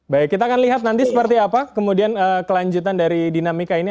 baik kita akan lihat nanti seperti apa kemudian kelanjutan dari dinamika ini